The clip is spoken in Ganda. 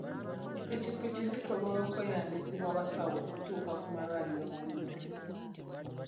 Ppikippiki zisobola okweyambisibwa abasawo okutuuka ku malwaliro mu budde.